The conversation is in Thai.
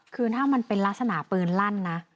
คือถ้ามันเป็นลักษณะปืนลั่นนะ